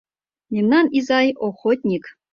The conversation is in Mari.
Мемнан изай - охотник.